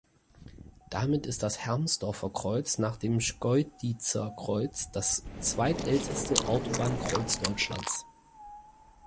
Damit ist das Hermsdorfer Kreuz nach dem Schkeuditzer Kreuz das zweitälteste Autobahnkreuz Deutschlands.